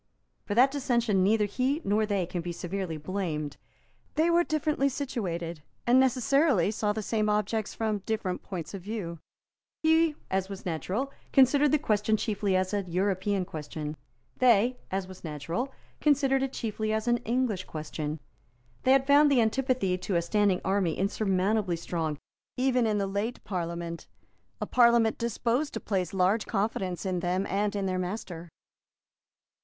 For that dissension neither he nor they can be severely blamed. They were differently situated, and necessarily saw the same objects from different points of view. He, as was natural, considered the question chiefly as an European question. They, as was natural, considered it chiefly as an English question. They had found the antipathy to a standing army insurmountably strong even in the late Parliament, a Parliament disposed to place large confidence in them and in their master.